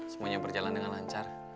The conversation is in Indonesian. semuanya berjalan dengan lancar